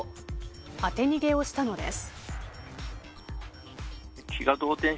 当て逃げをしたのです。